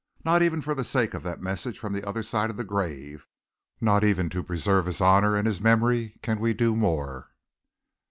Not even for the sake of that message from the other side of the grave, not even to preserve his honour and his memory, can we do more."